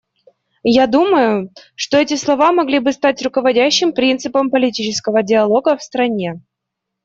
Я думаю, что эти слова могли бы стать руководящим принципом политического диалога в стране.